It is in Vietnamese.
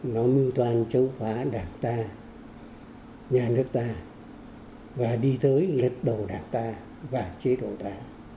nó mưu toan chống phá đảng ta nhà nước ta và đi tới lật đầu đảng ta và chế độ ta